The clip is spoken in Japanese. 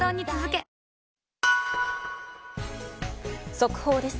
速報です。